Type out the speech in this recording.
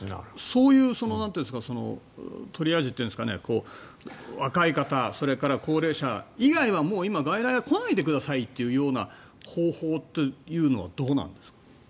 そういうトリアージというんですか若い方、それから高齢者以外はもう外来は来ないでくださいという方法はどうなんですか？